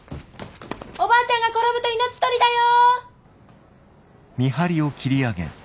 おばあちゃんが転ぶと命取りだよ！